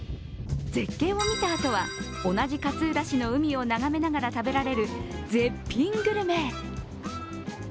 絶景を見たあとは同じ勝浦市の海を眺めながら食べられる絶品グルメ。